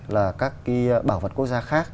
là các cái bảo vật quốc gia khác